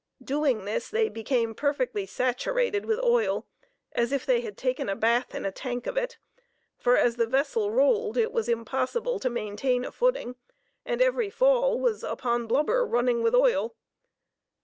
Doing this they became perfectly saturated with oil, as if they had taken a bath in a tank of it; for as the vessel rolled it was impossible to maintain a footing, and every fall was upon blubber running with oil.